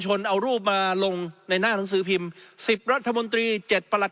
ชนเอารูปมาลงในหน้าหนังสือพิมพ์สิบรัฐมนตรีเจ็ดปรัรัฐ